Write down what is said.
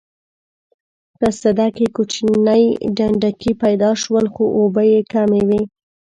په سده کې کوچني ډنډکي پیدا شول خو اوبه یې کمې وې.